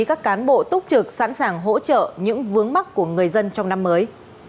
các cán bộ túc trực sẵn sàng hỗ trợ những vướng mắt của người dân trong năm mới